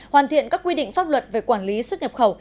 hoàn thiện các quy định pháp luật về quản lý xuất nhập khẩu